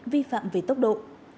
vi phạm về tốc độ